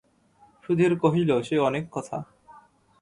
সুধীর কহিল, সে অনেক কথা।